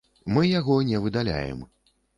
Мы яго не выдаляем.